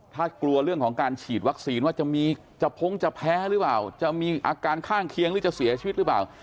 ถ้ากลัวเรื่องของการฉีดวัคซีนว่าจะพงจะแพ้หรือเปล่าจะมีอาการข้างเคียงหรือจะเสียชีวิตหรือเปล่า